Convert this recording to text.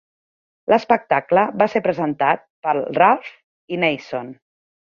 L'espectacle va ser presentat per Ralph Ineson.